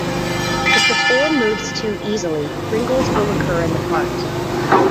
If the form moves too easily, wrinkles will occur in the part.